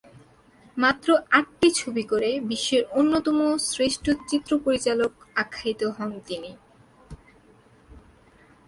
মাত্র আটটি ছবি করে বিশ্বের অন্যতম শ্রেষ্ঠ 'চিত্র পরিচালক আখ্যায়িত হন তিনি।